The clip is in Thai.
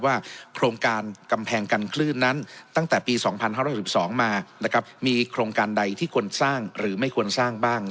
ว่าโครงการกำแพงกันคลื่นนั้นตั้งแต่ปี๒๕๖๒มามีโครงการใดที่ควรสร้างหรือไม่ควรสร้างบ้าง